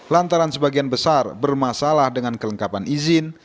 lantaran sebagian besar bermasalah dengan kelengkapan izin